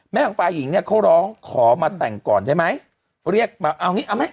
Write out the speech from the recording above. แม่ของฝ่ายหญิงเนี้ยเขาร้องขอมาแต่งก่อนใช่ไหมเรียกแบบเอาอย่างงี้เอาไหม